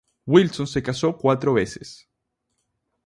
Wilson se casó cuatro veces.